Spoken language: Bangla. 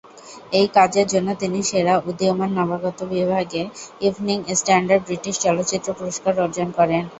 এই কাজের জন্য তিনি সেরা উদীয়মান নবাগত বিভাগে ইভনিং স্ট্যান্ডার্ড ব্রিটিশ চলচ্চিত্র পুরস্কার অর্জন করেন।